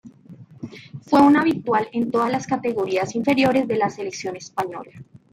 Fue un habitual en todas las categorías inferiores de la selección española.